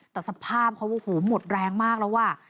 แต่สภาพเขาหมดแรงมากแล้วว่า